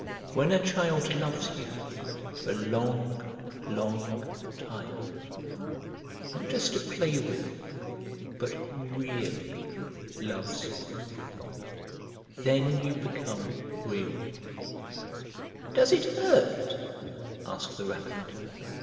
When a child loves you for a long, long time, not just to play with, but REALLY loves you, then you become Real." "Does it hurt?" asked the Rabbit.